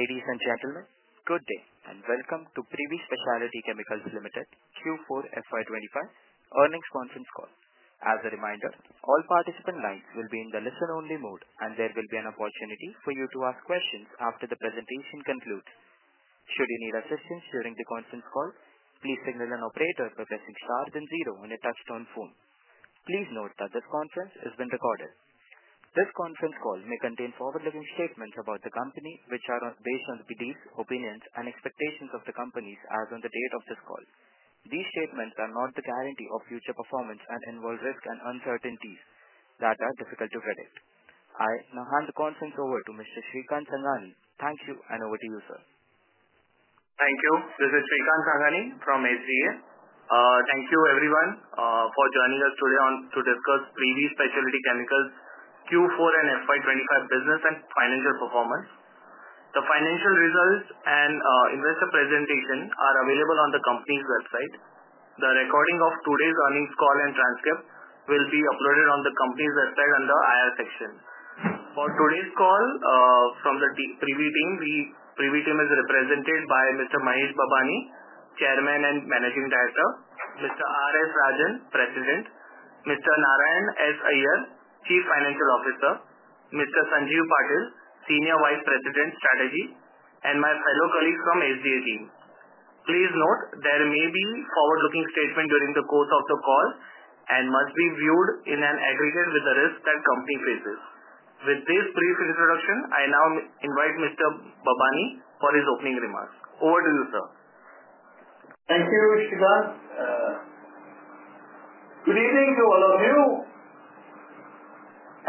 Ladies and gentlemen, good day and welcome to Privi Speciality Chemicals Limited, Q4 FY25 earnings conference call. As a reminder, all participant lines will be in the listen-only mode, and there will be an opportunity for you to ask questions after the presentation concludes. Should you need assistance during the conference call, please signal an operator by pressing star then zero on your touch-tone phone. Please note that this conference is being recorded. This conference call may contain forward-looking statements about the company, which are based on the beliefs, opinions, and expectations of the company as on the date of this call. These statements are not the guarantee of future performance and involve risk and uncertainties that are difficult to predict. I now hand the conference over to Mr. Srikant Sanghani. Thank you, and over to you, sir. Thank you. This is Srikant Sanghani from SGA. Thank you, everyone, for joining us today to discuss Privi Speciality Chemicals Q4 and FY25 business and financial performance. The financial results and investor presentation are available on the company's website. The recording of today's earnings call and transcript will be uploaded on the company's website under IR section. For today's call from the Privi team, Privi team is represented by Mr. Mahesh Babani, Chairman and Managing Director; Mr. R. S. Rajan, President; Mr. Narayan Iyer, Chief Financial Officer; Mr. Sanjeev Patil, Senior Vice President, Strategy; and my fellow colleagues from SGA team. Please note there may be forward-looking statements during the course of the call and must be viewed in an aggregate with the risk that the company faces. With this brief introduction, I now invite Mr. Babani for his opening remarks. Over to you, sir. Thank you, Srikant. Good evening to all of you.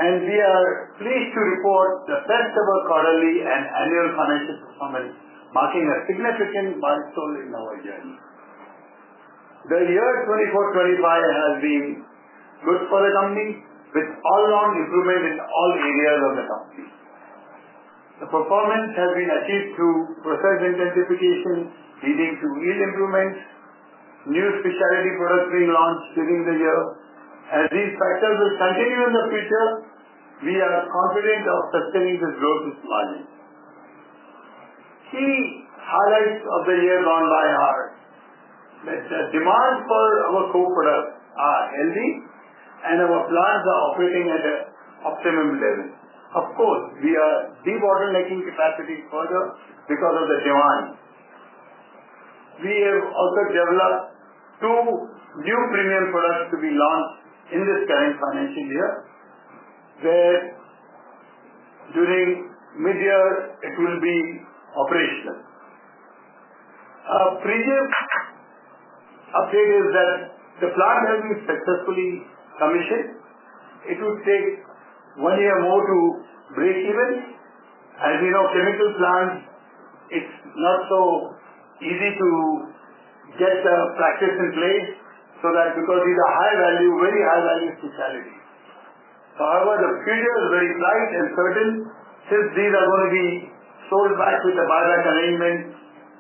We are pleased to report the best-ever quarterly and annual financial performance, marking a significant milestone in our journey. The year 2024-2025 has been good for the company, with all-around improvement in all areas of the company. The performance has been achieved through process intensification, leading to yield improvements, new specialty products being launched during the year. As these factors will continue in the future, we are confident of sustaining this growth with margin. Key highlights of the year gone by are that the demand for our co-products is healthy, and our plants are operating at an optimum level. Of course, we are de-bottlenecking capacity further because of the demand. We have also developed two new premium products to be launched in this current financial year, where during mid-year, it will be operational. A previous update is that the plant has been successfully commissioned. It will take one year more to break even. As you know, chemical plants, it's not so easy to get the practice in place so that because these are high-value, very high-value specialties. However, the future is very bright and certain since these are going to be sold back with the buyback arrangement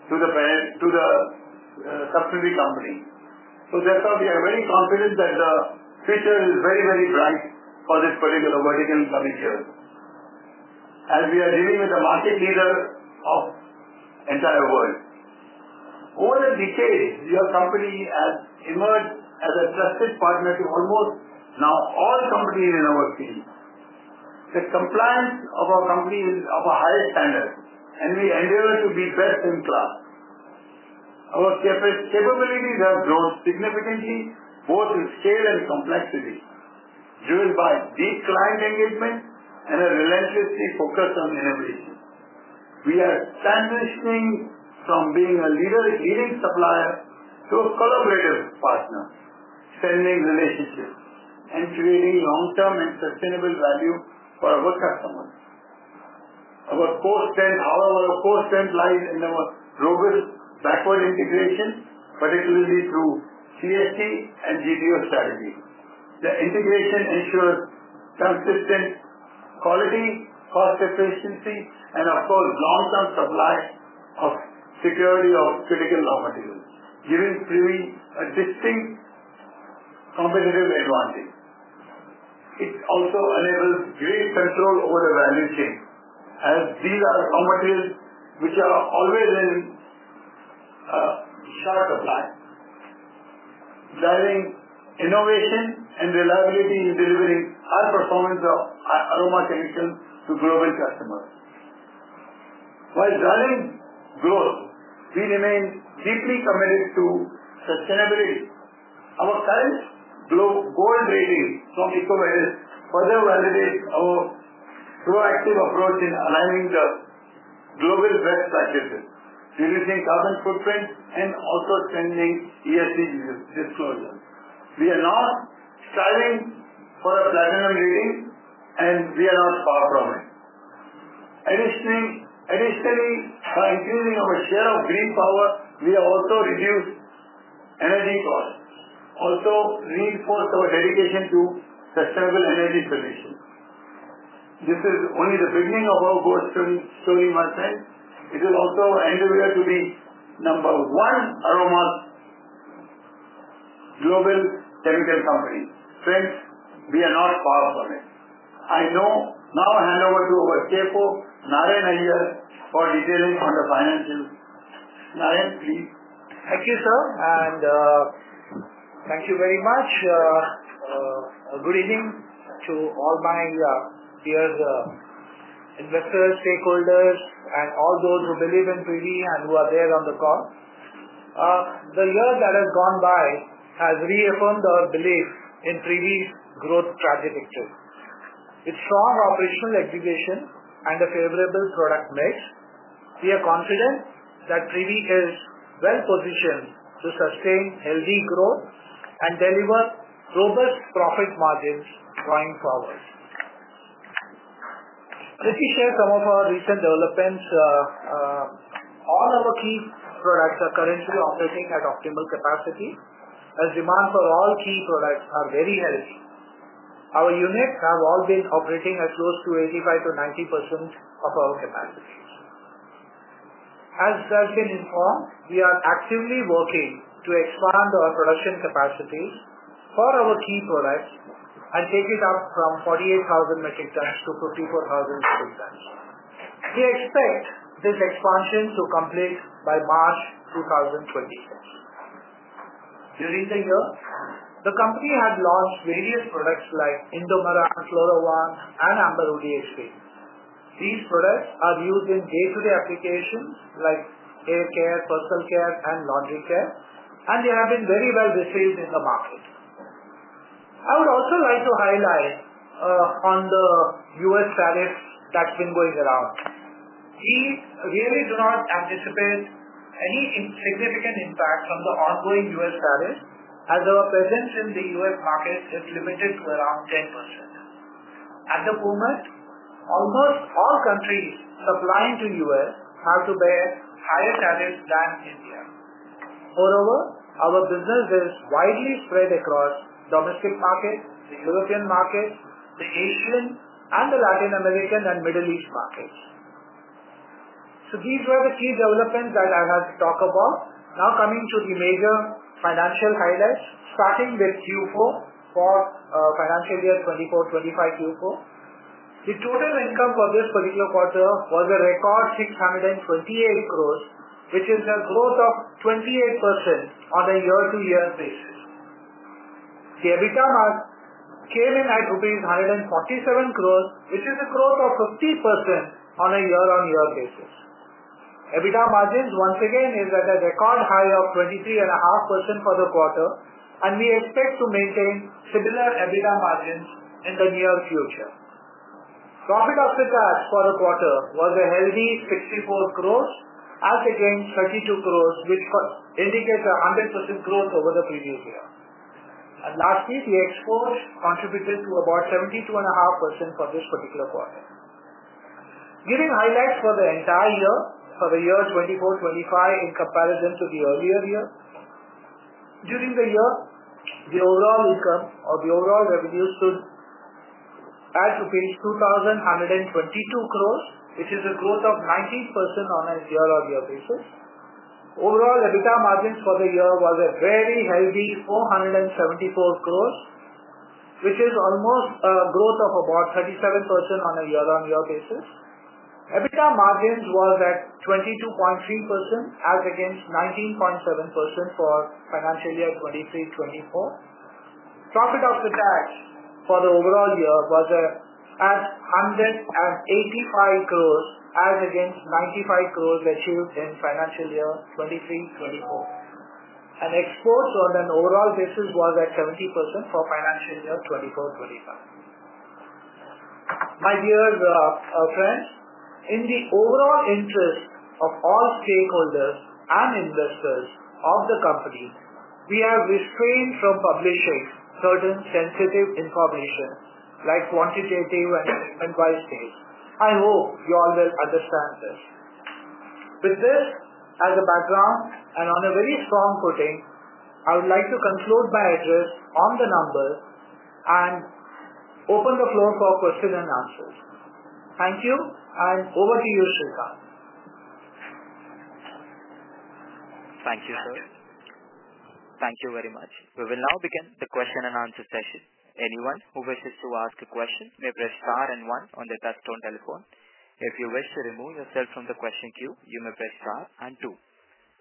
to the subsidiary company. That is why we are very confident that the future is very, very bright for this particular vertical in particular, as we are dealing with the market leader of the entire world. Over the decades, your company has emerged as a trusted partner to almost now all companies in our field. The compliance of our company is of a high standard, and we endeavor to be best in class. Our capabilities have grown significantly, both in scale and complexity, driven by deep client engagement and a relentless focus on innovation. We are transitioning from being a leading supplier to a collaborative partner, strengthening relationships, and creating long-term and sustainable value for our customers. Our core strength, however, lies in our robust backward integration, particularly through CST and GTO strategies. The integration ensures consistent quality, cost efficiency, and, of course, long-term security of supply of critical raw materials, giving Privi a distinct competitive advantage. It also enables great control over the value chain, as these are raw materials which are always in short supply, driving innovation and reliability in delivering high performance aroma chemicals to global customers. While driving growth, we remain deeply committed to sustainability. Our current gold rating from EcoWare further validates our proactive approach in aligning the global best practices, reducing carbon footprint, and also extending ESG disclosure. We are now striving for a platinum rating, and we are not far from it. Additionally, by increasing our share of green power, we have also reduced energy costs, also reinforced our dedication to sustainable energy solutions. This is only the beginning of our growth story, my friend. It will also endeavor to be number one aroma global chemical company. Strength, we are not far from it. I now hand over to our CFO, Narayan Iyer, for detailing on the financials. Narayan, please. Thank you, sir. Thank you very much. Good evening to all my dear investors, stakeholders, and all those who believe in Privi and who are there on the call. The year that has gone by has reaffirmed our belief in Privi's growth trajectory. With strong operational execution and a favorable product mix, we are confident that Privi is well-positioned to sustain healthy growth and deliver robust profit margins going forward. Let me share some of our recent developments. All our key products are currently operating at optimal capacity as demand for all key products is very healthy. Our units have all been operating at close to 85-90% of our capacity. As has been informed, we are actively working to expand our production capacities for our key products and take it up from 48,000 metric tons to 54,000 metric tons. We expect this expansion to complete by March 2026. During the year, the company had launched various products like Indomaran, Florovan, and Amber ODHP. These products are used in day-to-day applications like hair care, personal care, and laundry care, and they have been very well received in the market. I would also like to highlight on the U.S. tariffs that have been going around. We really do not anticipate any significant impact from the ongoing U.S. tariffs, as our presence in the U.S. market is limited to around 10%. At the moment, almost all countries supplying to the U.S. have to bear higher tariffs than India. Moreover, our business is widely spread across the domestic market, the European markets, the Asian, and the Latin American and Middle East markets. These were the key developments that I had to talk about. Now coming to the major financial highlights, starting with Q4 for financial year 2024-2025 Q4. The total income for this particular quarter was a record 628 crore, which is a growth of 28% on a year-to-year basis. The EBITDA came in at rupees 147 crore, which is a growth of 50% on a year-on-year basis. EBITDA margins, once again, are at a record high of 23.5% for the quarter, and we expect to maintain similar EBITDA margins in the near future. Profit after tax for the quarter was a healthy 64 crore, as against 32 crore, which indicates a 100% growth over the previous year. Lastly, the exports contributed to about 72.5% for this particular quarter. Giving highlights for the entire year for the year 2024-2025 in comparison to the earlier year, during the year, the overall income or the overall revenue stood at 2,122 crore, which is a growth of 19% on a year-on-year basis. Overall, EBITDA for the year was a very healthy 474 crore, which is almost a growth of about 37% on a year-on-year basis. EBITDA margins were at 22.3%, as against 19.7% for financial year 2023-2024. Profit after tax for the overall year was at 185 crore, as against 95 crore achieved in financial year 2023-2024. Exports on an overall basis were at 70% for financial year 2024-2025. My dear friends, in the overall interest of all stakeholders and investors of the company, we have restrained from publishing certain sensitive information like quantitative and assessment-wise dates. I hope you all will understand this. With this as a background and on a very strong footing, I would like to conclude my address on the number and open the floor for questions and answers. Thank you, and over to you, Srikant. Thank you, sir. Thank you very much. We will now begin the question and answer session. Anyone who wishes to ask a question may press star and one on the touch-tone telephone. If you wish to remove yourself from the question queue, you may press star and two.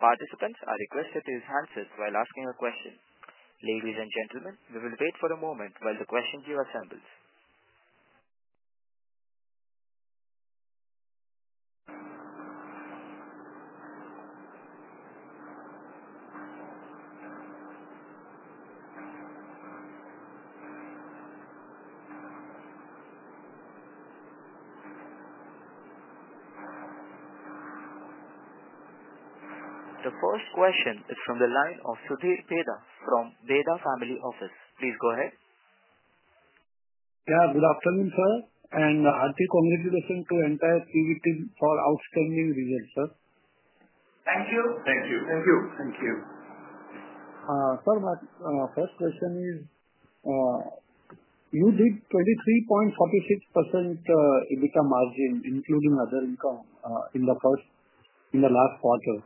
Participants are requested to use handsets while asking a question. Ladies and gentlemen, we will wait for a moment while the question queue assembles. The first question is from the line of Sudhir Bheda from Bheda Family Office. Please go ahead. Yeah, good afternoon, sir. Hearty congratulations to the entire Privi team for outstanding results, sir. Thank you. Thank you. Thank you. Thank you. Sir, my first question is, you did 23.46% EBITDA margin, including other income, in the last quarter.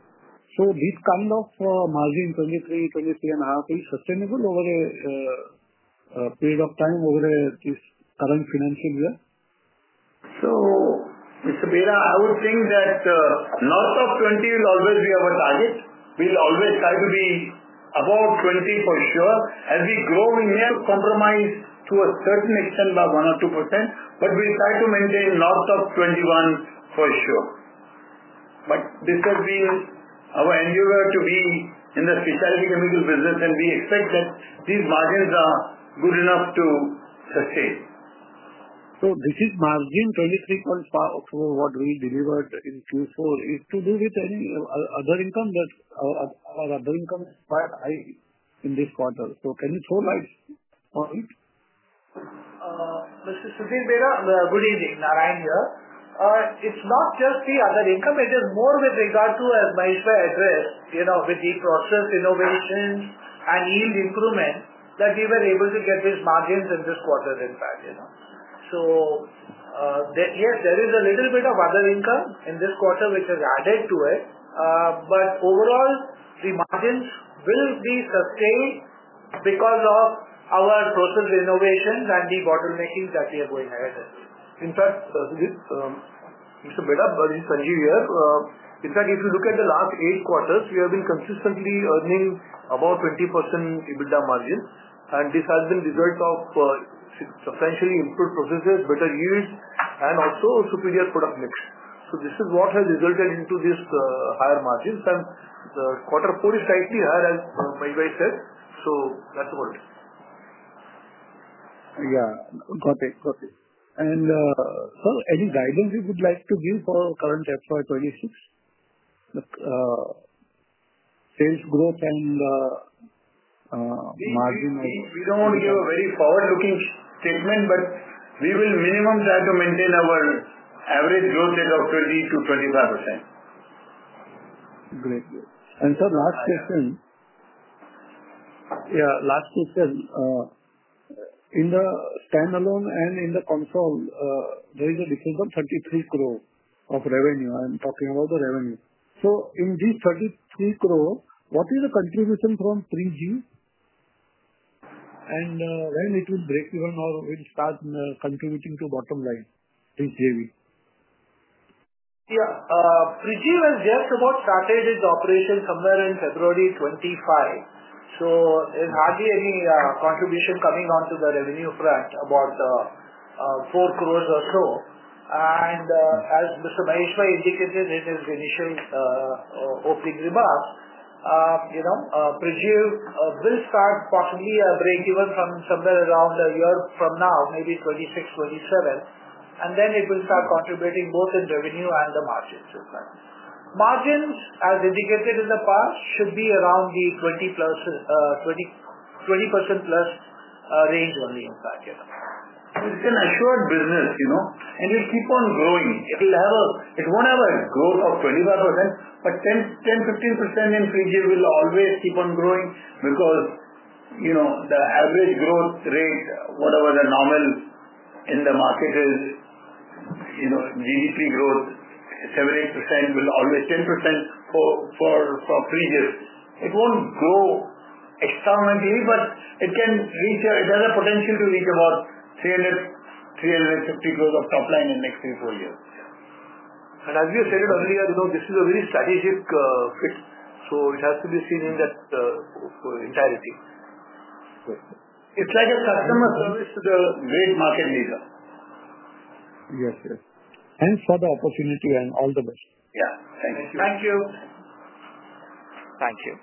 So this kind of margin, 23-23.5%, is sustainable over a period of time over this current financial year? Mr. Bheda, I would think that north of 20% will always be our target. We'll always try to be above 20% for sure. As we grow, we may have to compromise to a certain extent by 1% or 2%, but we'll try to maintain north of 21% for sure. This has been our endeavor to be in the specialty chemical business, and we expect that these margins are good enough to sustain. This margin, 23.5, for what we delivered in Q4, is to do with any other income that our other income is quite high in this quarter. Can you throw light on it? Mr. Sudhir Bheda, good evening. Narayan here. It's not just the other income. It is more with regard to, as Mahesh had addressed, with the process innovations and yield improvement that we were able to get these margins in this quarter, in fact. Yes, there is a little bit of other income in this quarter which has added to it. Overall, the margins will be sustained because of our process innovations and the bottlenecking that we are going ahead with. In fact, Mr. Bheda, this is Sanjeev here. In fact, if you look at the last eight quarters, we have been consistently earning about 20% EBITDA margin. This has been the result of substantially improved processes, better yields, and also superior product mix. This is what has resulted in these higher margins. The quarter four is slightly higher, as Maheshbai said. That's about it. Yeah, got it. Got it. Sir, any guidance you would like to give for current FY2026? Sales growth and margin of. We do not want to give a very forward-looking statement, but we will minimum try to maintain our average growth rate of 20-25%. Great. Sir, last question. In the standalone and in the console, there is a difference of 33 crore of revenue. I am talking about the revenue. In these 33 crore, what is the contribution from Privi? When will it break even or start contributing to the bottom line, Privi? Yeah. Privi has just about started its operation somewhere in February 2025. There is hardly any contribution coming onto the revenue front, about 40,000,000 or so. As Mr. Mahesh Babani indicated in his initial opening remarks, Privi will start possibly break even from somewhere around a year from now, maybe 2026, 2027. It will start contributing both in revenue and the margins, in fact. Margins, as indicated in the past, should be around the 20% plus range only, in fact. It's an assured business, and it will keep on growing. It will not have a growth of 25%, but 10-15% in Privi will always keep on growing because the average growth rate, whatever the normal in the market is, GDP growth, 7-8% will always 10% for Privi. It will not grow exponentially, but it has a potential to reach about 300-350 crore of top line in the next three-four years. As we have said it earlier, this is a very strategic fit. It has to be seen in that entirety. It's like a customer service to the great market leader. Yes, yes. Thanks for the opportunity and all the best. Yeah. Thank you. Thank you. Thank you.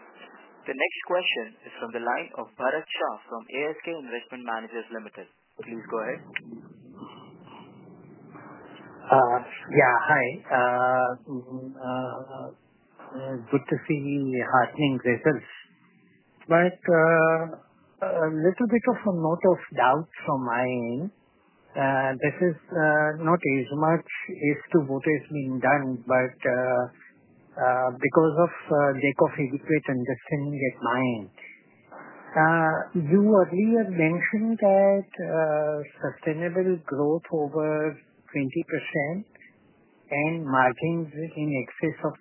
The next question is from the line of Bharath Shah from ASK Investment Managers Limited. Please go ahead. Yeah, hi. Good to see heartening results. A little bit of a note of doubt from my end. This is not as much as to what has been done, but because of lack of adequate understanding at my end. You earlier mentioned that sustainable growth over 20% and margins in excess of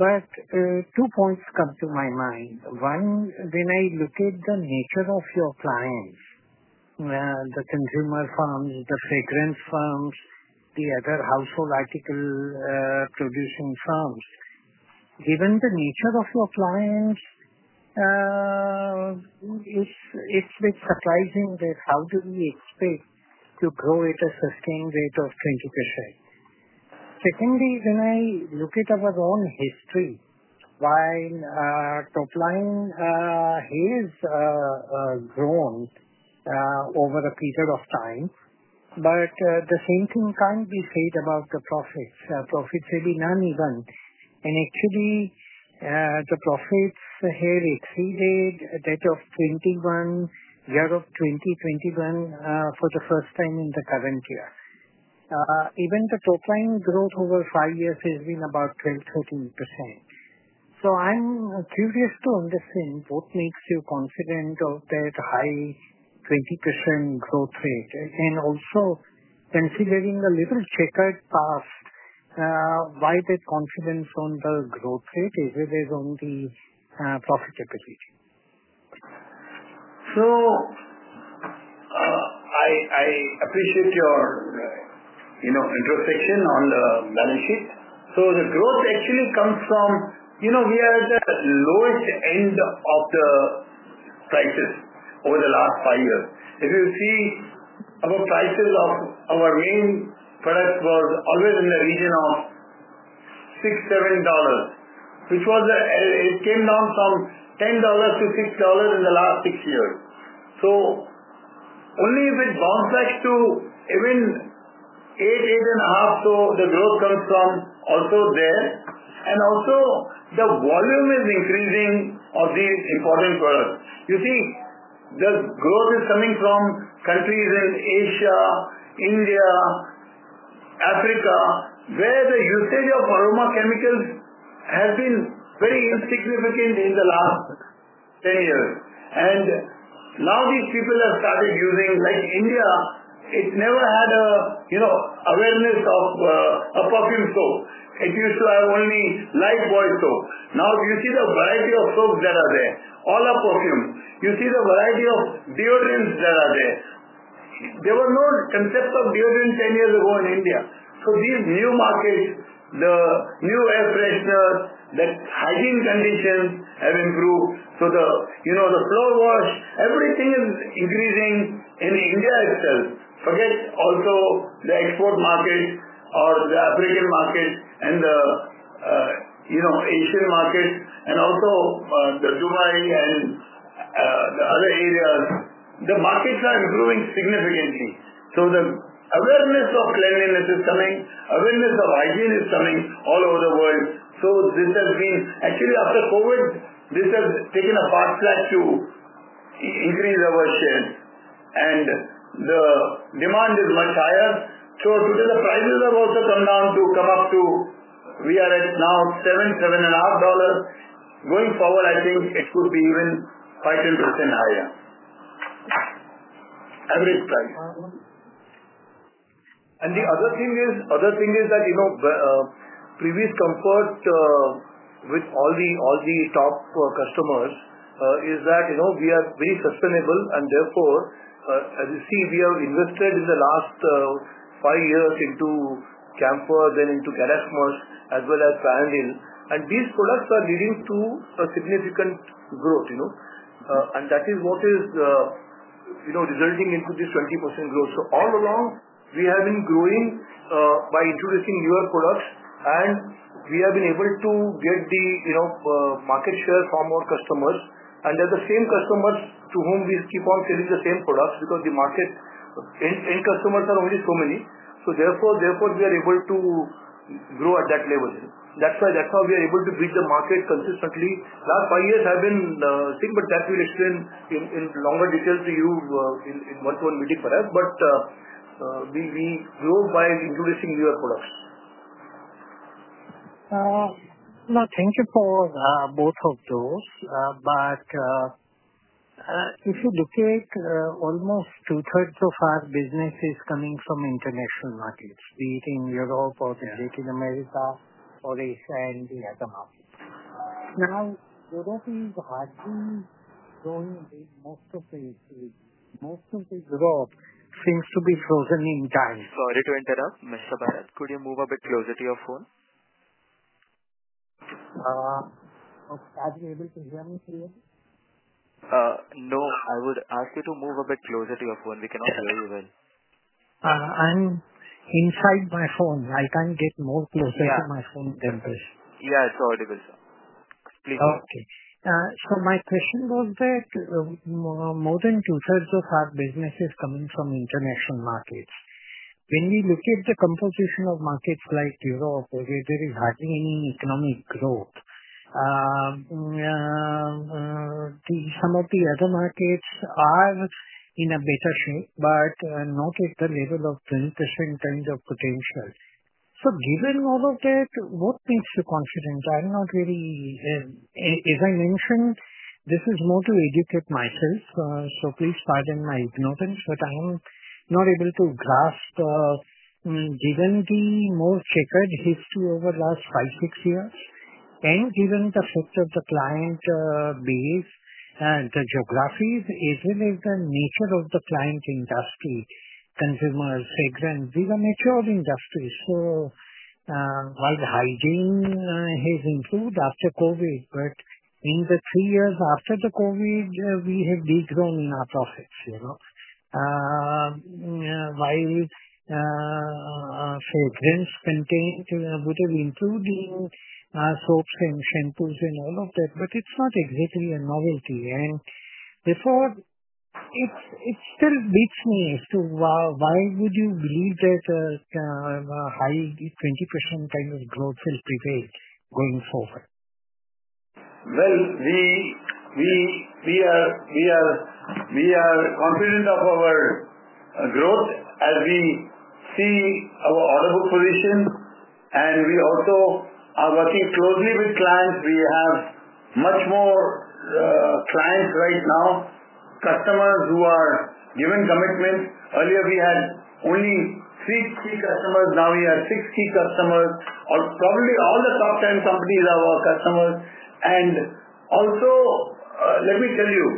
20%. Two points come to my mind. One, when I look at the nature of your clients, the consumer firms, the fragrance firms, the other household article producing firms, given the nature of your clients, it's a bit surprising that how do we expect to grow at a sustained rate of 20%? Secondly, when I look at our own history, while top line has grown over a period of time, the same thing can't be said about the profits. Profits have been uneven. Actually, the profits here exceeded that of 2021, year of 2021, for the first time in the current year. Even the top line growth over five years has been about 12-13%. I am curious to understand what makes you confident of that high 20% growth rate. Also, considering a little checkered past, why that confidence on the growth rate is not as on the profitability? I appreciate your introspection on the balance sheet. The growth actually comes from we are at the lowest end of the prices over the last five years. If you see our prices of our main product, it was always in the region of $6, $7, which was it came down from $10 to $6 in the last six years. Only if it bounces back to even $8, $8.5, the growth comes from also there. Also, the volume is increasing of these important products. You see, the growth is coming from countries in Asia, India, Africa, where the usage of aroma chemicals has been very insignificant in the last 10 years. Now these people have started using, like India, it never had an awareness of a perfume soap. It used to have only light boiled soap. Now, you see the variety of soaps that are there, all are perfumes. You see the variety of deodorants that are there. There was no concept of deodorant 10 years ago in India. These new markets, the new air fresheners, the hygiene conditions have improved. The floor wash, everything is increasing in India itself. Forget also the export market or the African market and the Asian market, and also Dubai and the other areas. The markets are improving significantly. The awareness of cleanliness is coming. Awareness of hygiene is coming all over the world. This has been actually, after COVID, this has taken a fast track to increase our shares. The demand is much higher. Today, the prices have also come down to come up to we are at now $7-$7.5. Going forward, I think it could be even 15% higher. Average price. The other thing is that previous comfort with all the top customers is that we are very sustainable. Therefore, as you see, we have invested in the last five years into Camphor, then into Cadinol, as well as Farnesol. These products are leading to a significant growth. That is what is resulting into this 20% growth. All along, we have been growing by introducing newer products. We have been able to get the market share from our customers. They are the same customers to whom we keep on selling the same products because the market end customers are only so many. Therefore, we are able to grow at that level. That is why we are able to beat the market consistently. Last five years have been the same, but that I will explain in longer detail to you in one-to-one meeting perhaps. We grow by introducing newer products. No, thank you for both of those. If you look at almost two-thirds of our business, it is coming from international markets, be it in Europe or Latin America or Asia and the other markets. Now, Europe is hardly growing in most of the areas. Most of Europe seems to be frozen in time. Sorry to interrupt, Mr. Bharath. Could you move a bit closer to your phone? Are you able to hear me clearly? No, I would ask you to move a bit closer to your phone. We cannot hear you well. I'm inside my phone. I can't get more closer to my phone than this. Yeah, it's audible, sir. Please go ahead. Okay. My question was that more than two-thirds of our business is coming from international markets. When we look at the composition of markets like Europe, where there is hardly any economic growth, some of the other markets are in a better shape, but not at the level of 20% kind of potential. Given all of that, what makes you confident? I'm not really, as I mentioned, this is more to educate myself. Please pardon my ignorance, but I'm not able to grasp, given the more checkered history over the last five, six years, and given the fact of the client base, the geographies, as well as the nature of the client industry, consumers, fragrance. We are a mature industry. While the hygiene has improved after COVID, in the three years after the COVID, we have regrown in our profits. While fragrance would have improved in soaps and shampoos and all of that, but it is not exactly a novelty. Therefore, it still beats me as to why would you believe that a high 20% kind of growth will prevail going forward? We are confident of our growth as we see our order book position. We also are working closely with clients. We have much more clients right now, customers who are given commitment. Earlier, we had only three key customers. Now, we have six key customers. Probably all the top 10 companies are our customers. Also, let me tell you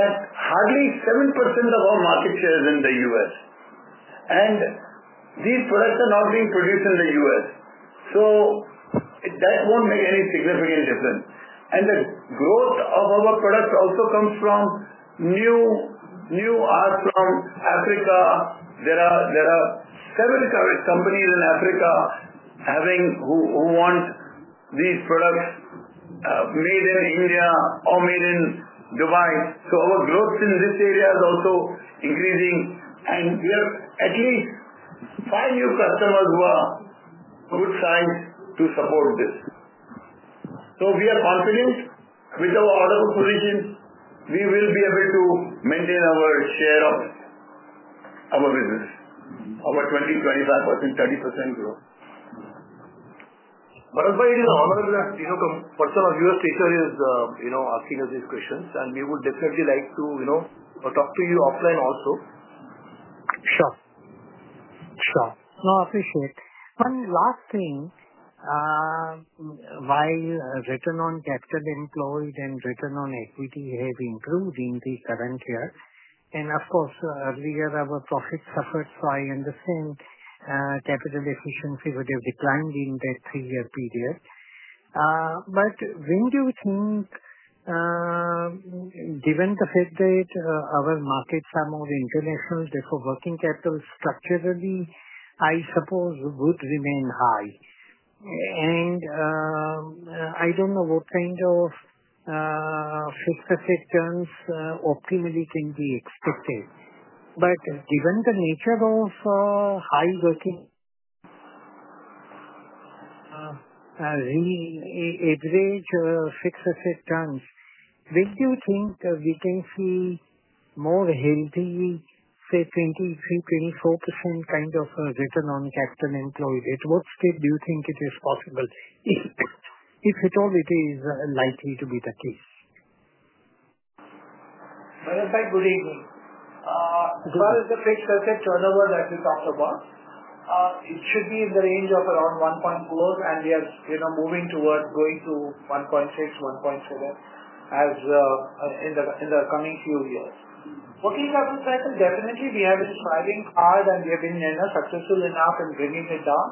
that hardly 7% of our market share is in the U.S. These products are not being produced in the U.S., so that will not make any significant difference. The growth of our products also comes from new art from Africa. There are several companies in Africa who want these products made in India or made in Dubai. Our growth in this area is also increasing. We have at least five new customers who are good size to support this. We are confident with our order book position. We will be able to maintain our share of our business, our 20%, 25%, 30% growth. Bharatbhai, it is an honor that a person of your stature is asking us these questions. We would definitely like to talk to you offline also. Sure. Sure. No, I appreciate it. One last thing. While return on capital employed and return on equity have improved in the current year, and of course, earlier, our profit suffered, so I understand capital efficiency would have declined in that three-year period. When do you think, given the fact that our markets are more international, therefore, working capital structurally, I suppose, would remain high? I do not know what kind of fixed asset terms optimally can be expected. Given the nature of high working average fixed asset terms, when do you think we can see more healthy, say, 23-24% kind of return on capital employed? At what state do you think it is possible? If at all, it is likely to be the case. Bharatbhai, good evening. As far as the fixed asset turnover that we talked about, it should be in the range of around 1.4, and we are moving towards going to 1.6-1.7 in the coming few years. Working capital cycle, definitely, we have been striving hard, and we have been successful enough in bringing it down.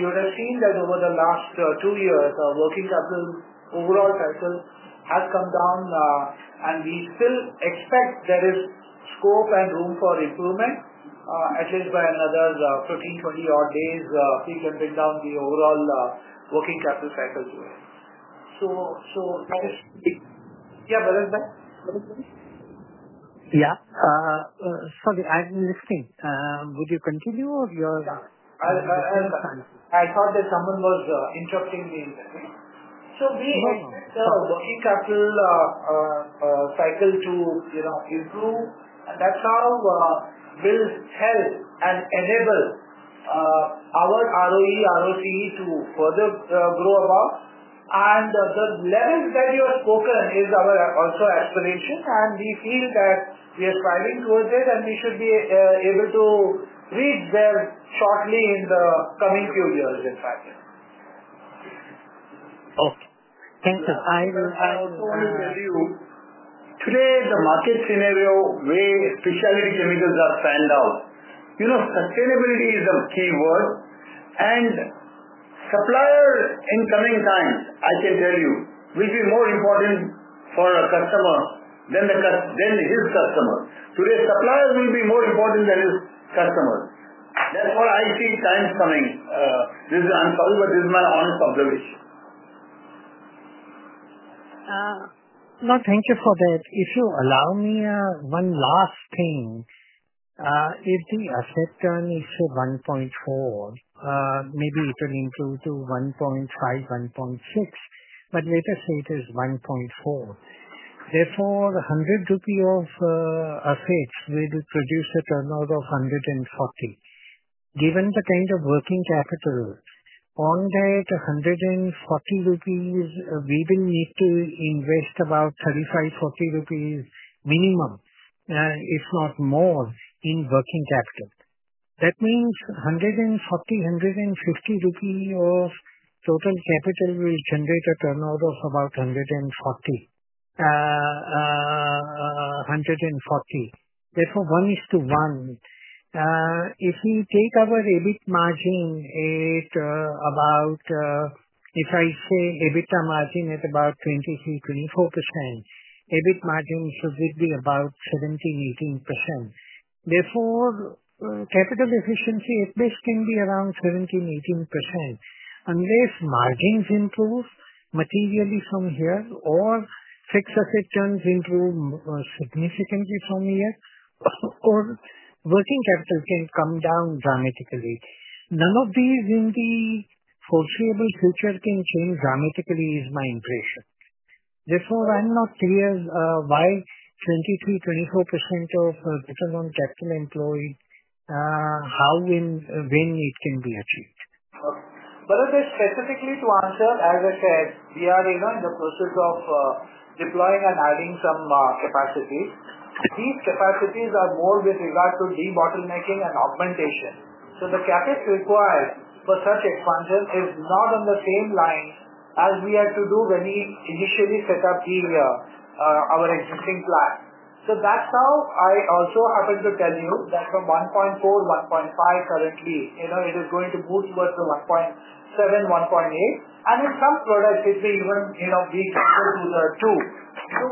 You would have seen that over the last two years, our working capital overall cycle has come down. We still expect there is scope and room for improvement, at least by another 15-20 odd days, we can bring down the overall working capital cycle. That is. Yeah, Bharatbhai? Yeah. Sorry, I'm listening. Would you continue or you are? I thought that someone was interrupting me in that. We expect our working capital cycle to improve. That is how we will help and enable our ROE, ROCE to further grow above. The levels that you have spoken is our also aspiration. We feel that we are striving towards it, and we should be able to reach there shortly in the coming few years, in fact. Okay. Thank you. I also want to tell you, today, the market scenario, where specialty chemicals are fanned out, sustainability is a key word. A supplier in coming times, I can tell you, will be more important for a customer than his customer. Today, suppliers will be more important than his customers. That's what I see times coming. I'm sorry, but this is my honest observation. No, thank you for that. If you allow me one last thing, if the asset turn is to 1.4, maybe it will improve to 1.5-1.6, but let us say it is 1.4. Therefore, 100 rupee of assets will produce a turnover of 140. Given the kind of working capital, on that 140 rupees, we will need to invest about 35-40 rupees minimum, if not more, in working capital. That means 140-150 rupees of total capital will generate a turnover of about 140. Therefore, one is to one. If we take our EBIT margin at about, if I say EBITDA margin at about 23%-24%, EBIT margin should be about 17%-18%. Therefore, capital efficiency at best can be around 17%-18%, unless margins improve materially from here or fixed asset turns improve significantly from here, or working capital can come down dramatically. None of these in the foreseeable future can change dramatically, is my impression. Therefore, I'm not clear why 23-24% of return on capital employed, how and when it can be achieved. Bharatbhai, specifically to answer, as I said, we are in the process of deploying and adding some capacities. These capacities are more with regard to de-bottlenecking and augmentation. The CapEx required for such expansion is not on the same line as we had to do when we initially set up our existing plant. That is how I also happen to tell you that from 1.4, 1.5 currently, it is going to move towards the 1.7-1.8. In some products, it may even be closer to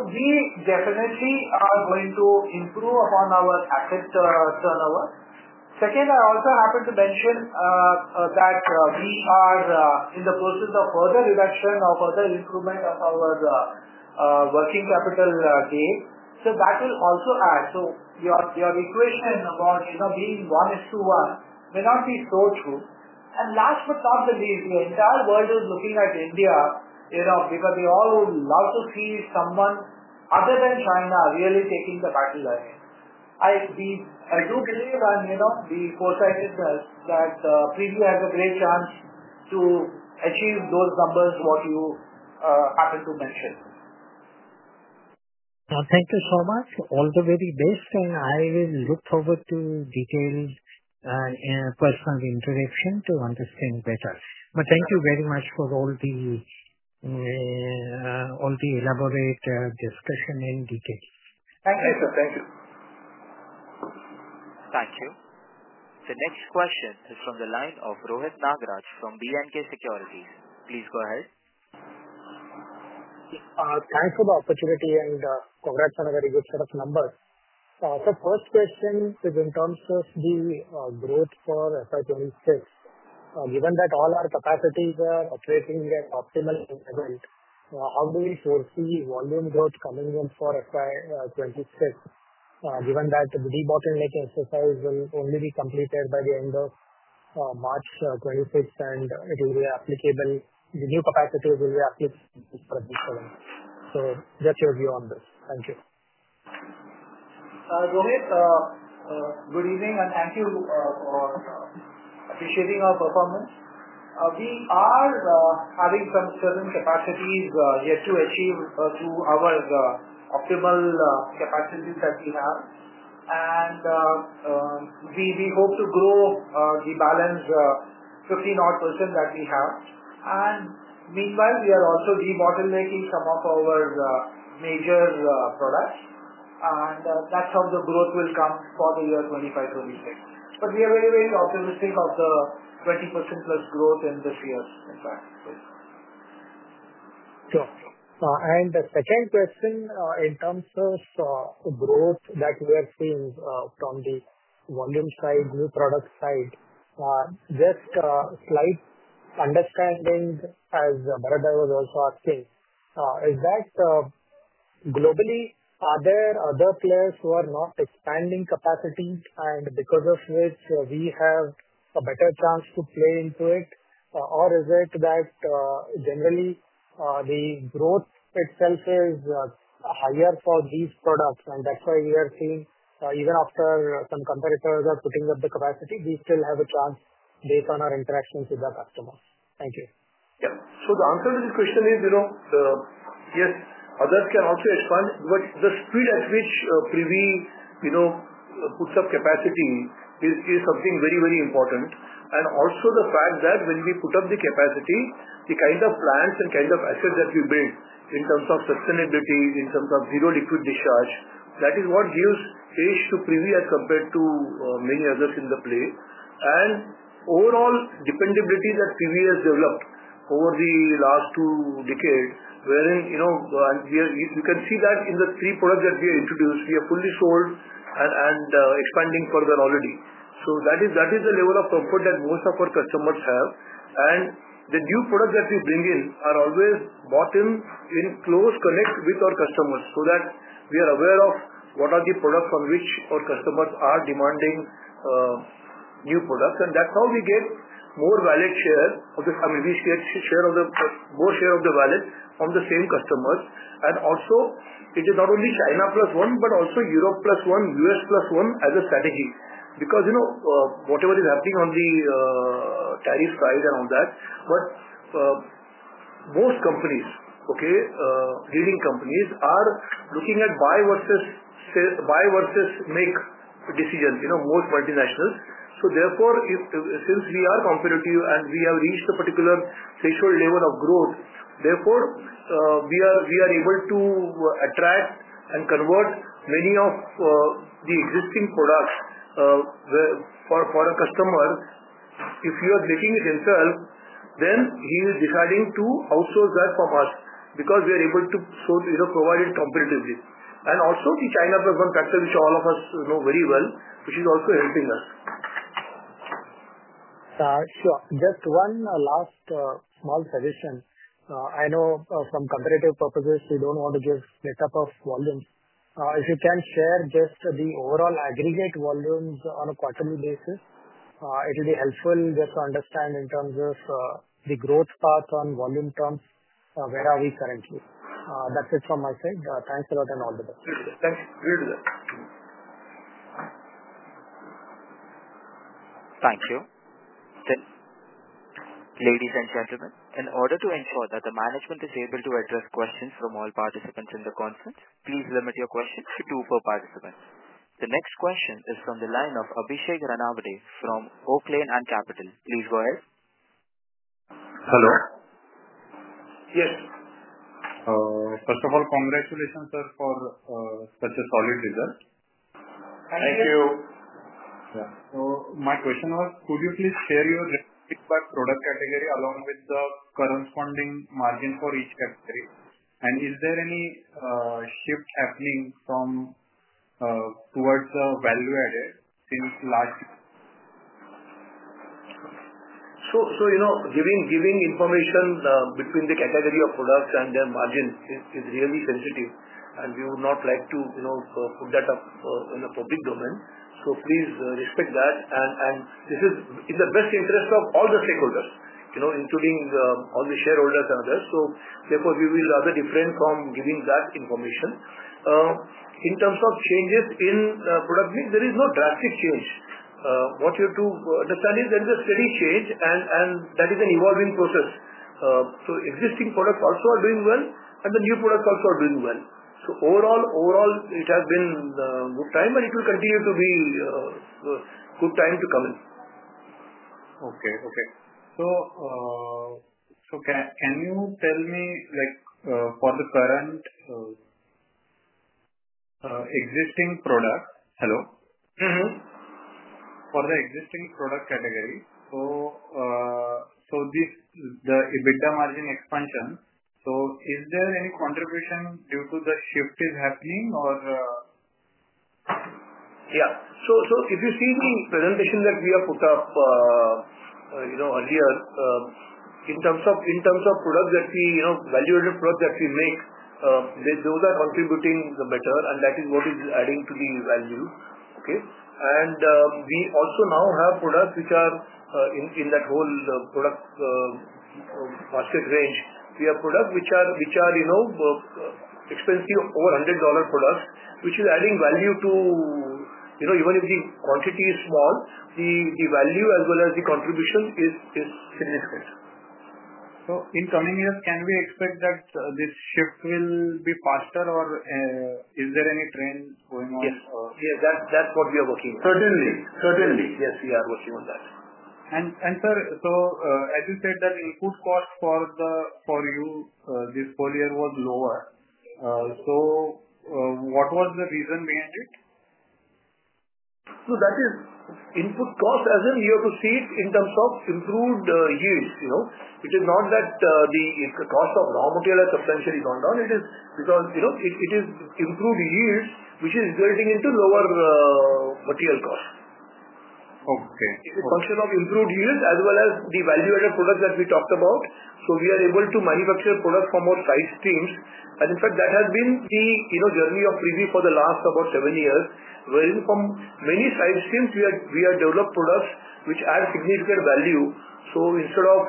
2. We definitely are going to improve upon our asset turnover. Second, I also happen to mention that we are in the process of further reduction or further improvement of our working capital gain. That will also add. Your equation about being one is to one may not be so true. Last but not the least, the entire world is looking at India because they all would love to see someone other than China really taking the battle ahead. I do believe and be foresighted that PB has a great chance to achieve those numbers, what you happen to mention. Thank you so much. All the very best. I will look forward to detailed personal introduction to understand better. Thank you very much for all the elaborate discussion and details. Thank you, sir. Thank you. Thank you. The next question is from the line of Rohit Nagraj from B & K Securities. Please go ahead. Thanks for the opportunity and congrats on a very good set of numbers. First question is in terms of the growth for FY26. Given that all our capacities are operating at optimal level, how do we foresee volume growth coming in for FY26, given that the de-bottlenecking exercise will only be completed by the end of March 2026, and it will be applicable, the new capacities will be applicable for FY26? What's your view on this? Thank you. Rohit, good evening, and thank you for appreciating our performance. We are having some certain capacities yet to achieve to our optimal capacities that we have. We hope to grow the balance 15% that we have. Meanwhile, we are also debottlenecking some of our major products. That is how the growth will come for the year 2025, 2026. We are very, very optimistic of the 20% plus growth in this year, in fact. Sure. The second question in terms of growth that we are seeing from the volume side, new product side, just slight understanding as Bharatbhai was also asking, is that globally, are there other players who are not expanding capacity and because of which we have a better chance to play into it? Is it that generally the growth itself is higher for these products? That is why we are seeing even after some competitors are putting up the capacity, we still have a chance based on our interactions with our customers. Thank you. Yeah. The answer to this question is, yes, others can also expand, but the speed at which PB puts up capacity is something very, very important. Also, the fact that when we put up the capacity, the kind of plants and kind of assets that we build in terms of sustainability, in terms of zero liquid discharge, that is what gives edge to PB as compared to many others in the play. Overall, dependability that PB has developed over the last two decades, wherein you can see that in the three products that we have introduced, we have fully sold and expanding further already. That is the level of comfort that most of our customers have. The new products that we bring in are always brought in close connect with our customers so that we are aware of what are the products on which our customers are demanding new products. That is how we get more share of the value from the same customers. It is not only China plus one, but also Europe plus one, U.S. plus one as a strategy. Because whatever is happening on the tariff side and all that, most companies, leading companies, are looking at buy versus make decisions, most multinationals. Therefore, since we are competitive and we have reached a particular threshold level of growth, we are able to attract and convert many of the existing products for a customer. If you are making it himself, then he is deciding to outsource that from us because we are able to provide it competitively. Also, the China plus one factor, which all of us know very well, which is also helping us. Sure. Just one last small suggestion. I know from comparative purposes, we do not want to give a setup of volumes. If you can share just the overall aggregate volumes on a quarterly basis, it will be helpful just to understand in terms of the growth path on volume terms, where are we currently? That is it from my side. Thanks a lot and all the best. Thank you. Thank you. Thank you. Thank you. Ladies and gentlemen, in order to ensure that the management is able to address questions from all participants in the conference, please limit your questions to two per participant. The next question is from the line of Abhishek Ranawade from Oak Lane & Capital. Please go ahead. Hello. Yes. First of all, congratulations, sir, for such a solid result. Thank you. Thank you. My question was, could you please share your product category along with the corresponding margin for each category? Is there any shift happening towards the value added since last? Giving information between the category of products and their margin is really sensitive. We would not like to put that up in a public domain. Please respect that. This is in the best interest of all the stakeholders, including all the shareholders and others. Therefore, we will rather defer from giving that information. In terms of changes in product mix, there is no drastic change. What you have to understand is there is a steady change, and that is an evolving process. Existing products also are doing well, and the new products also are doing well. Overall, it has been a good time, and it will continue to be a good time to come in. Okay. Okay. So can you tell me for the current existing product? Hello? Mm-hmm. For the existing product category, so the EBITDA margin expansion, is there any contribution due to the shift is happening or? Yeah. If you see the presentation that we have put up earlier, in terms of product, that value-added product that we make, those are contributing better, and that is what is adding to the value. Okay. We also now have products which are in that whole product basket range. We have products which are expensive, over $100 products, which is adding value to, even if the quantity is small, the value as well as the contribution is significant. In coming years, can we expect that this shift will be faster, or is there any trend going on? Yes. Yes. That is what we are working on. Certainly. Certainly. Yes, we are working on that. Sir, as you said, that input cost for you this full year was lower. What was the reason behind it? That is input cost as in you have to see it in terms of improved yields. It is not that the cost of raw material has substantially gone down. It is because it is improved yields, which is resulting into lower material cost. Okay. It is a function of improved yields as well as the value added products that we talked about. We are able to manufacture products from our side streams. In fact, that has been the journey of Privi for the last about seven years, wherein from many side streams, we have developed products which add significant value. Instead of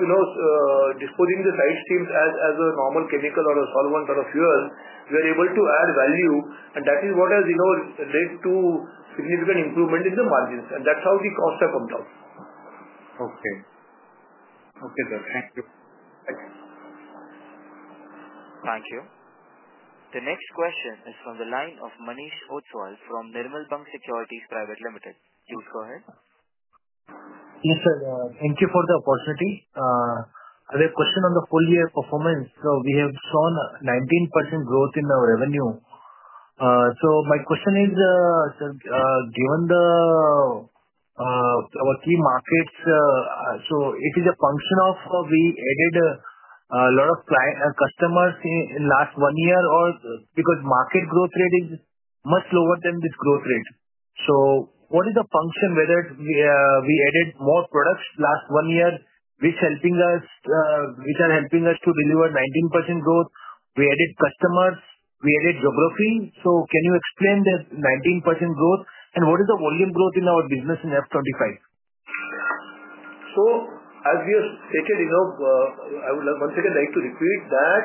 disposing the side streams as a normal chemical or a solvent or a fuel, we are able to add value. That is what has led to significant improvement in the margins. That is how the costs have come down. Okay. Okay, sir. Thank you. Thank you. Thank you. The next question is from the line of Manish Otswal from Nirmal Bang Securities Private Limited. Please go ahead. Yes, sir. Thank you for the opportunity. I have a question on the full year performance. We have shown 19% growth in our revenue. My question is, given our key markets, is it a function of we added a lot of customers in the last one year or because market growth rate is much lower than this growth rate? What is the function, whether we added more products last one year, which are helping us to deliver 19% growth? We added customers. We added geography. Can you explain the 19% growth? What is the volume growth in our business in FY25? As we have stated, I would once again like to repeat that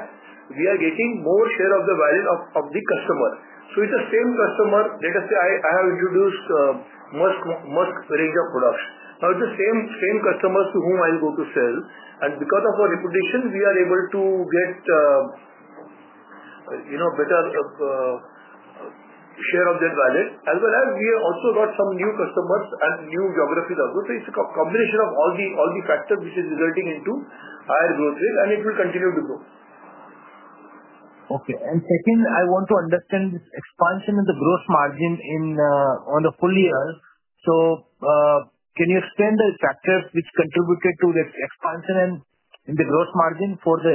we are getting more share of the value of the customer. It is the same customer. Let us say I have introduced Musk range of products. Now, it is the same customers to whom I go to sell. Because of our reputation, we are able to get a better share of that value. We have also got some new customers and new geographies also. It is a combination of all the factors which is resulting into higher growth rate, and it will continue to grow. Okay. Second, I want to understand this expansion in the gross margin on the full year. Can you explain the factors which contributed to the expansion in the gross margin for the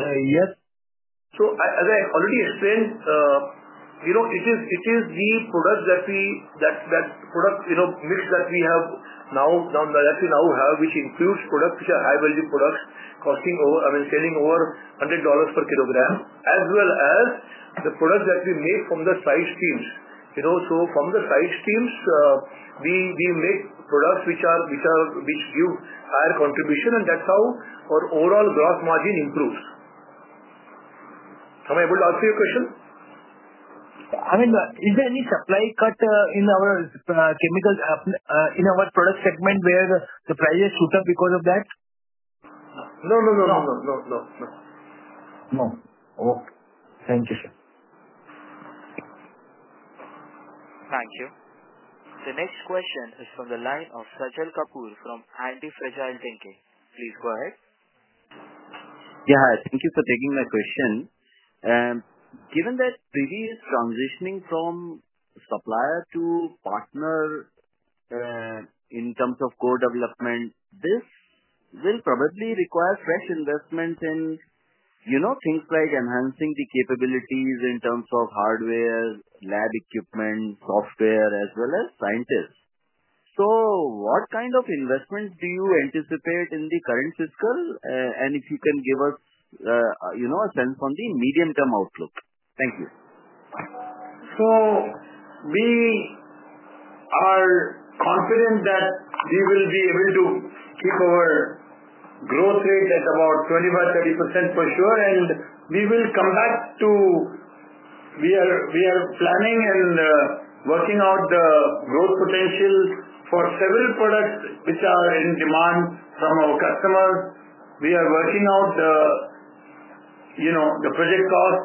year? As I already explained, it is the product mix that we now have, which includes products which are high-value products selling over $100 per kilogram, as well as the products that we make from the side streams. From the side streams, we make products which give higher contribution, and that's how our overall gross margin improves. Am I able to answer your question? I mean, is there any supply cut in our chemical, in our product segment, where the prices shoot up because of that? No. No. Okay. Thank you, sir. Thank you. The next question is from the line of Sajal Kapoor from Antifragile Thinking. Please go ahead. Yeah. Thank you for taking my question. Given that PB is transitioning from supplier to partner in terms of co-development, this will probably require fresh investments in things like enhancing the capabilities in terms of hardware, lab equipment, software, as well as scientists. What kind of investments do you anticipate in the current fiscal? If you can give us a sense on the medium-term outlook. Thank you. We are confident that we will be able to keep our growth rate at about 25%-30% for sure. We will come back to we are planning and working out the growth potential for several products which are in demand from our customers. We are working out the project cost.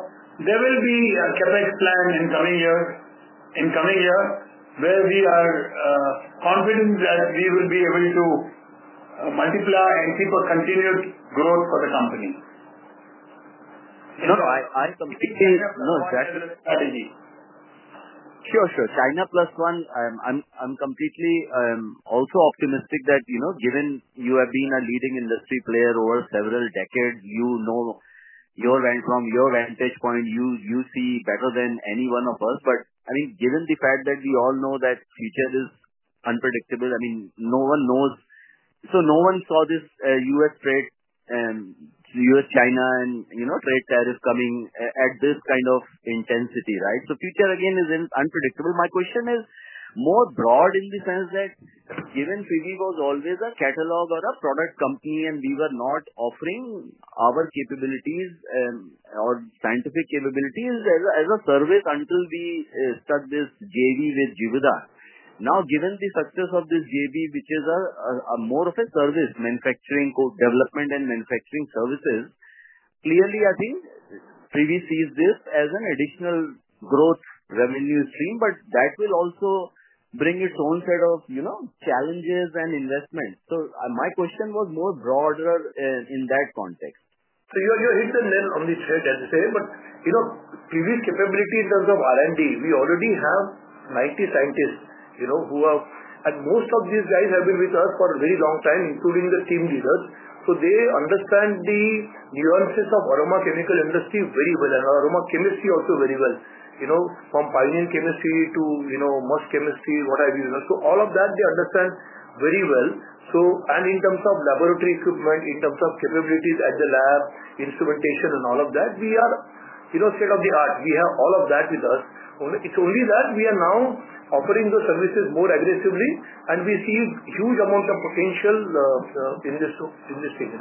There will be a CapEx plan in the coming year where we are confident that we will be able to multiply and keep a continued growth for the company. I completely understand the strategy. Sure, sure. China plus one, I'm completely also optimistic that given you have been a leading industry player over several decades, you know your vantage point, you see better than any one of us. I mean, given the fact that we all know that future is unpredictable, I mean, no one knows. No one saw this U.S. trade, U.S.-China and trade tariffs coming at this kind of intensity, right? Future again is unpredictable. My question is more broad in the sense that given PB was always a catalog or a product company, and we were not offering our capabilities or scientific capabilities as a service until we start this JV with Givaudan. Now, given the success of this JV, which is more of a service manufacturing development and manufacturing services, clearly, I think PB sees this as an additional growth revenue stream, but that will also bring its own set of challenges and investments. My question was more broader in that context. You hit the nail on the tread as you say, but PB's capability in terms of R&D, we already have 90 scientists who have, and most of these guys have been with us for a very long time, including the team leaders. They understand the nuances of aroma chemicals industry very well and aroma chemistry also very well. From pioneer chemistry to musk chemistry, what have you. All of that they understand very well. In terms of laboratory equipment, in terms of capabilities at the lab, instrumentation, and all of that, we are state of the art. We have all of that with us. It's only that we are now offering the services more aggressively, and we see huge amounts of potential in this thing.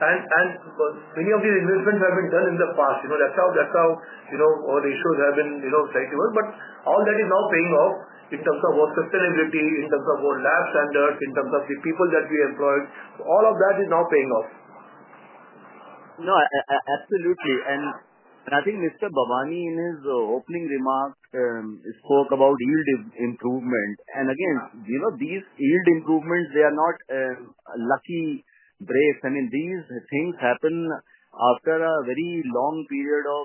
Many of these investments have been done in the past. That's how our issues have been trying to work. All that is now paying off in terms of our sustainability, in terms of our lab standards, in terms of the people that we employed. All of that is now paying off. No, absolutely. I think Mr. Babani in his opening remarks spoke about yield improvement. Again, these yield improvements, they are not lucky breaks. I mean, these things happen after a very long period of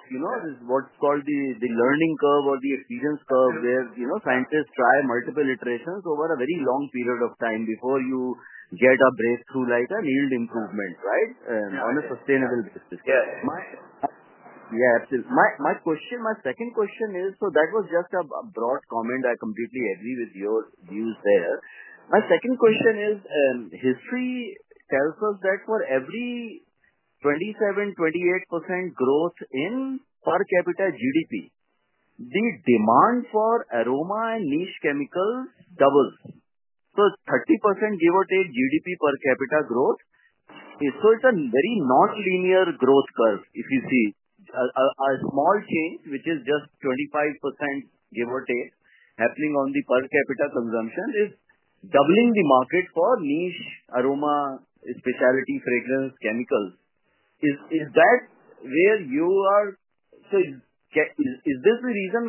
what is called the learning curve or the experience curve where scientists try multiple iterations over a very long period of time before you get a breakthrough like a yield improvement, right? On a sustainable basis. Yes. Yeah, absolutely. My question, my second question is, so that was just a broad comment. I completely agree with your views there. My second question is, history tells us that for every 27-28% growth in per capita GDP, the demand for aroma and niche chemicals doubles. So 30% give or take GDP per capita growth. It's a very non-linear growth curve, if you see. A small change, which is just 25% give or take, happening on the per capita consumption is doubling the market for niche, aroma, specialty, fragrance, chemicals. Is that where you are? Is this the reason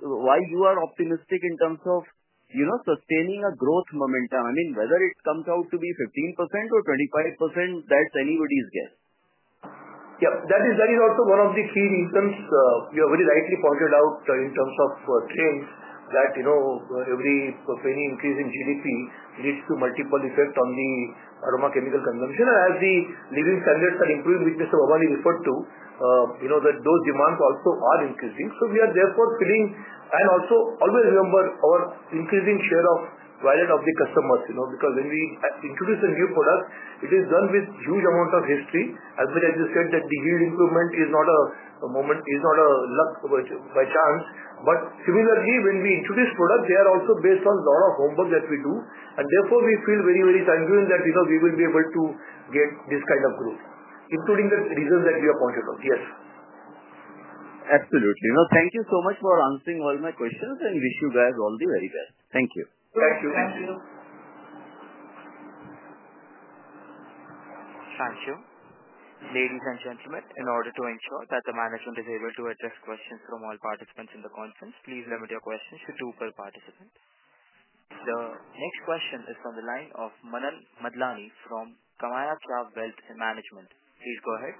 why you are optimistic in terms of sustaining a growth momentum? I mean, whether it comes out to be 15% or 25%, that's anybody's guess. Yeah. That is also one of the key reasons you have very rightly pointed out in terms of trends that every increase in GDP leads to multiple effects on the aroma chemical consumption. As the living standards are improving, which Mr. Babani referred to, those demands also are increasing. We are therefore feeling and also always remember our increasing share of value of the customers. Because when we introduce a new product, it is done with huge amounts of history. As much as you said that the yield improvement is not a moment, is not a luck by chance. Similarly, when we introduce products, they are also based on a lot of homework that we do. Therefore, we feel very, very time doing that we will be able to get this kind of growth, including the reasons that you have pointed out. Yes. Absolutely. No, thank you so much for answering all my questions and wish you guys all the very best. Thank you. Thank you. Thank you. Thank you. Ladies and gentlemen, in order to ensure that the management is able to address questions from all participants in the conference, please limit your questions to two per participant. The next question is from the line of Manan Madlani from Kamayakya Wealth Management. Please go ahead.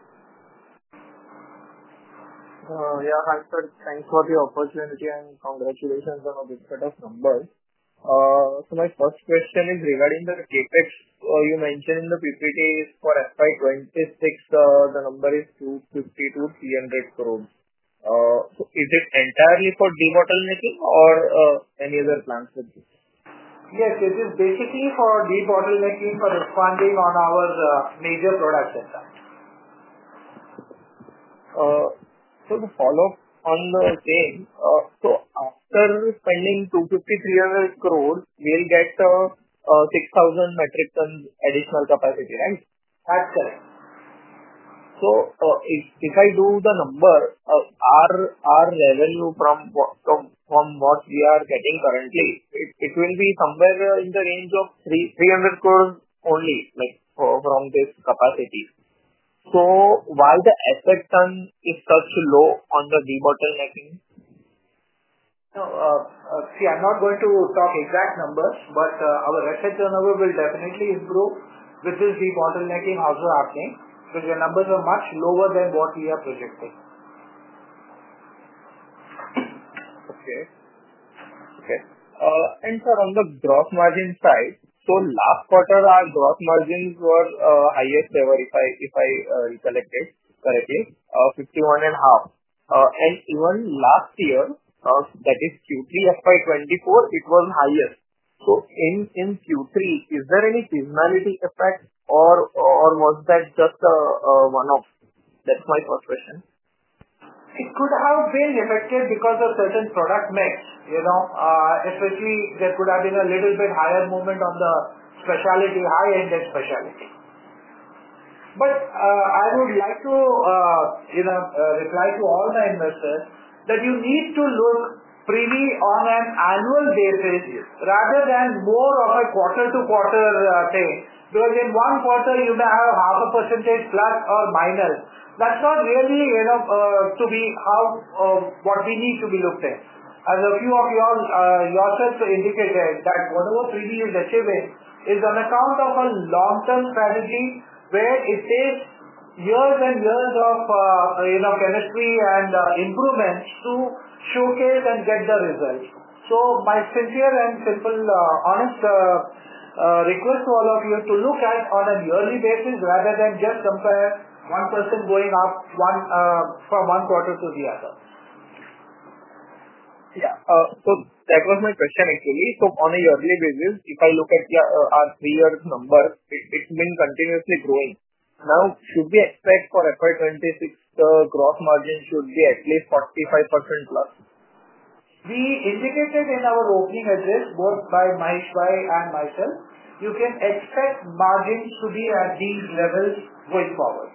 Yeah, thanks for the opportunity and congratulations on the discussion of the number. My first question is regarding the CapEx you mentioned in the PPT for FY2026, the number is 250-300 crores. Is it entirely for de-bottlenecking or any other plans with this? Yes, it is basically for de-bottlenecking for expanding on our major products and that. To follow up on the same, after spending 250 crore-300 crore, we'll get 6,000 metric tons additional capacity, right? That's correct. If I do the number, our revenue from what we are getting currently, it will be somewhere in the range of 300 crore only from this capacity. Why is the effect on such low on the de-bottlenecking? See, I'm not going to talk exact numbers, but our effect on our will definitely improve with this de-bottlenecking also happening because your numbers are much lower than what we are projecting. Okay. Okay. And sir, on the gross margin side, last quarter, our gross margins were highest ever, if I recollect it correctly, 51.5%. And even last year, that is Q3, FY2024, it was highest. In Q3, is there any seasonality effect or was that just one of? That is my first question. It could have been affected because of certain product mix. Especially, there could have been a little bit higher movement on the specialty, high-ended specialty. I would like to reply to all my investors that you need to look PB on an annual basis rather than more of a quarter-to-quarter thing. In one quarter, you may have half a percentage plus or minus. That is not really to be how what we need to be looked at. As a few of y'all yourself indicated that whatever PB is achieving is on account of a long-term strategy where it takes years and years of chemistry and improvements to showcase and get the results. My sincere and simple honest request to all of you to look at on a yearly basis rather than just compare one person going up from one quarter to the other. Yeah. So that was my question actually. On a yearly basis, if I look at our three-year number, it's been continuously growing. Now, should we expect for FY2026, the gross margin should be at least 45% plus? We indicated in our opening address both by Mahesh Babani and myself, you can expect margins to be at these levels going forward.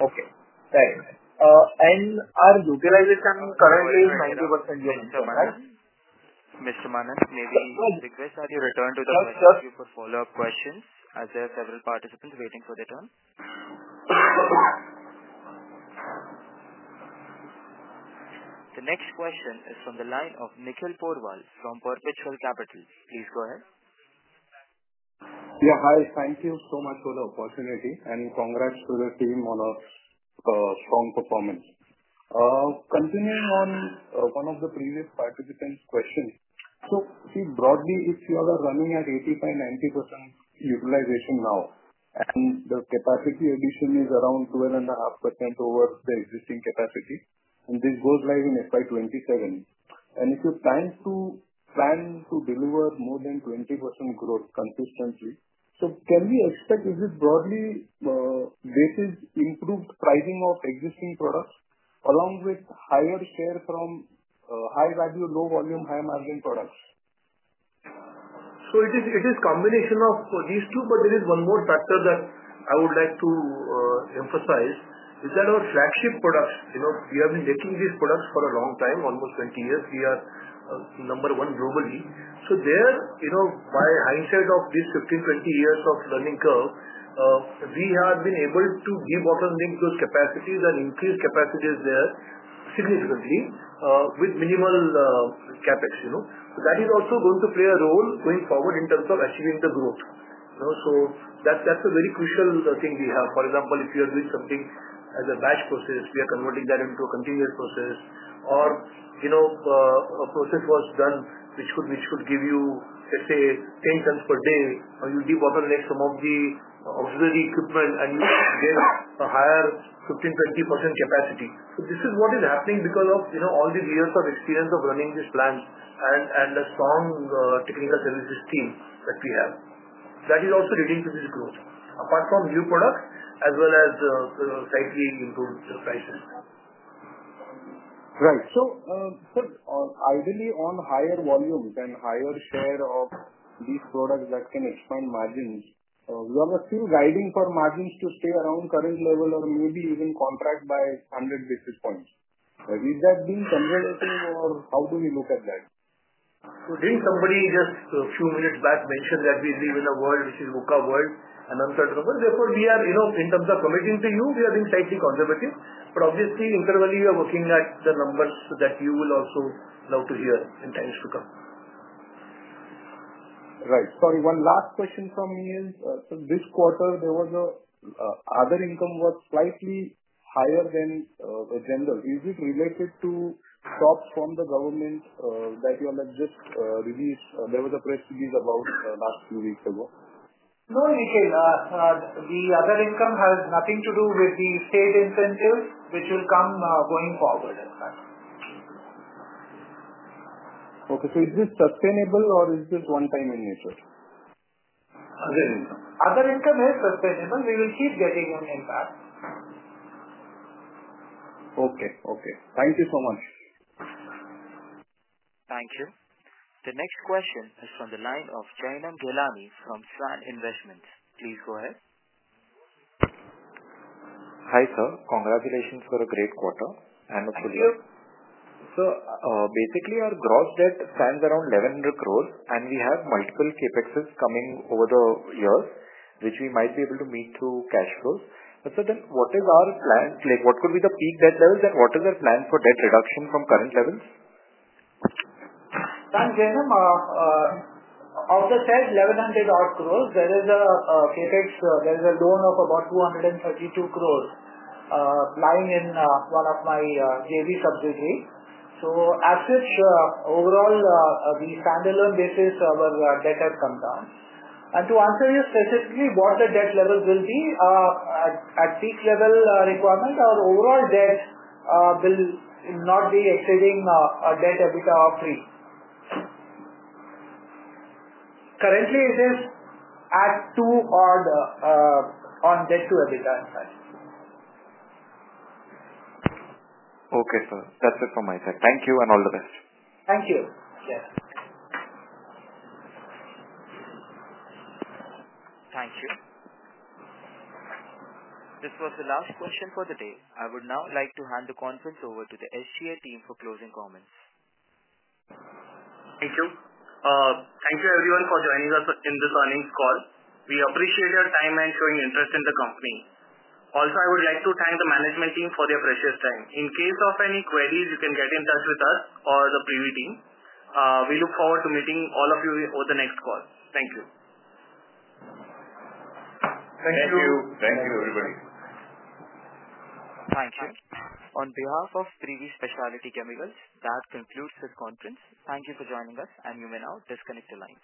Okay. Very nice. Our utilization currently is 90%, you mentioned, right? Mr. Manan, maybe request that you return to the mic for follow-up questions as there are several participants waiting for their turn. The next question is from the line of Nikhil Porwal from Perpetual Capital. Please go ahead. Yeah, hi. Thank you so much for the opportunity and congrats to the team on a strong performance. Continuing on one of the previous participants' questions. See, broadly, if you are running at 85-90% utilization now and the capacity addition is around 12.5% over the existing capacity, and this goes live in FY2027, and if you plan to deliver more than 20% growth consistently, can we expect, is it broadly, this is improved pricing of existing products along with higher share from high value, low volume, high margin products? It is a combination of these two, but there is one more factor that I would like to emphasize is that our flagship products, we have been making these products for a long time, almost 20 years. We are number one globally. There, by hindsight of this 15-20 years of learning curve, we have been able to de-bottleneck those capacities and increase capacities there significantly with minimal CapEx. That is also going to play a role going forward in terms of achieving the growth. That is a very crucial thing we have. For example, if you are doing something as a batch process, we are converting that into a continuous process. Or a process was done which could give you, let's say, 10 tons per day, or you de-bottleneck some of the auxiliary equipment and you get a higher 15-20% capacity. This is what is happening because of all these years of experience of running these plants and the strong technical services team that we have. That is also leading to this growth. Apart from new products as well as slightly improved prices. Right. So ideally, on higher volumes and higher share of these products that can expand margins, you are still guiding for margins to stay around current level or maybe even contract by 100 basis points. Is that being conservative or how do we look at that? I think somebody just a few minutes back mentioned that we live in a world which is VUCA world and uncertain. Therefore, in terms of committing to you, we are being slightly conservative. Obviously, interval, we are working at the numbers that you will also love to hear in times to come. Right. Sorry, one last question from me is, so this quarter, there was an other income was slightly higher than general. Is it related to stocks from the government that you all have just released? There was a press release about last few weeks ago. No, Nikhil. The other income has nothing to do with the state incentives which will come going forward as well. Okay. So is this sustainable or is this one-time in nature? Other income. Other income is sustainable. We will keep getting on impact. Okay. Okay. Thank you so much. Thank you. The next question is from the line of Jainam Ghelani from Svan Investments. Please go ahead. Hi sir. Congratulations for a great quarter. I'm a colleague. Thank you. Basically, our gross debt stands around 1,100 crore, and we have multiple CapExes coming over the years, which we might be able to meet through cash flows. So then, what is our plan? What could be the peak debt levels, and what is our plan for debt reduction from current levels? Thanks, Jainam. Of the said 1,100 crore, there is a CapEx, there is a loan of about 232 crore lying in one of my JV subsidi. As such, overall, the standalone basis of our debt has come down. To answer you specifically, what the debt levels will be at peak level requirement, our overall debt will not be exceeding a debt EBITDA of 3. Currently, it is at 2 on debt to EBITDA insights. Okay, sir. That's it from my side. Thank you and all the best. Thank you. Yes. Thank you. This was the last question for the day. I would now like to hand the conference over to the SGA team for closing comments. Thank you. Thank you, everyone, for joining us in this earnings call. We appreciate your time and showing interest in the company. Also, I would like to thank the management team for their precious time. In case of any queries, you can get in touch with us or the PB team. We look forward to meeting all of you over the next call. Thank you. Thank you. Thank you. Thank you, everybody. Thank you. On behalf of Privi Speciality Chemicals Limited, that concludes this conference. Thank you for joining us, and you may now disconnect the line.